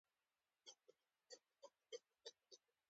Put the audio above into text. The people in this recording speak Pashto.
هغوی وایي چې په دې سیمه کې باران ډېر اوري